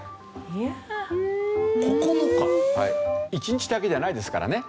１日だけじゃないですからね。